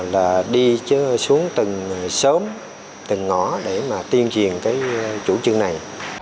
là đi xuống từng sớm từng ngõ để mà tuyên truyền cái chủ trương này